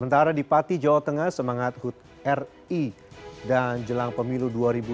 sementara di pati jawa tengah semangat hud ri dan jelang pemilu dua ribu dua puluh